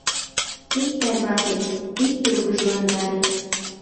Ит тарвате, ит тургыжландаре.